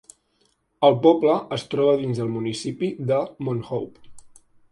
El poble es troba dins del municipi de Mount Hope.